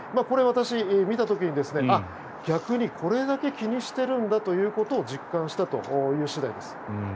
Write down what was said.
これ、私が見た時に逆にこれだけ気にしてるんだということを実感したという次第です。